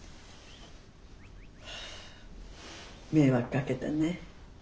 迷惑かけたね。